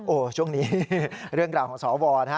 โอ้โหช่วงนี้เรื่องราวของสวนะฮะ